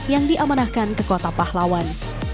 yang diamanahkan ke kota pahlawan